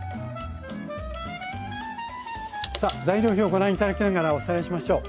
さあ材料表をご覧頂きながらおさらいしましょう。